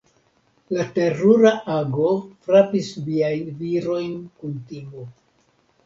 La terura ago frapis viajn virojn kun timo.